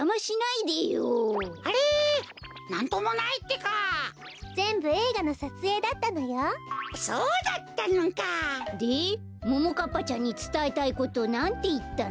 でももかっぱちゃんにつたえたいことなんていったの？